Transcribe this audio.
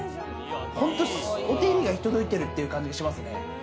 本当お手入れが行き届いてるっていう感じがしますね。